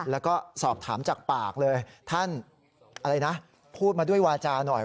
แล้วก็สอบถามจากปากเลยท่านอะไรนะพูดมาด้วยวาจาหน่อย